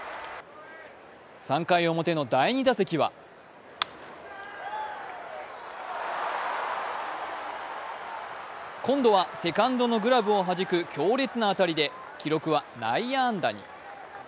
３回表の第２打席は今度はセカンドのグラブをはじく強烈な当たりで記録は内野安打に。